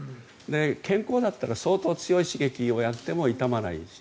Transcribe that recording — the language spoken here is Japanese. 健康だったら相当強い刺激をやっても痛まないし。